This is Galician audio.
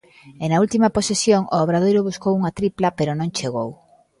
E na última posesión, o Obradoiro buscou unha tripla, pero non chegou.